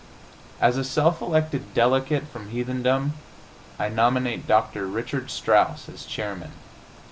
As a self elected delegate from heathendom, I nominate Dr. Richard Strauss as chairman.